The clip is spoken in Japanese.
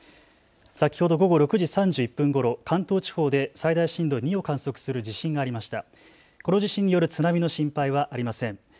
先ほど午後６時３１分ごろ関東地方で最大震度２を観測する地震がありました。